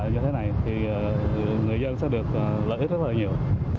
như thế này thì người dân sẽ được lợi ích rất là nhiều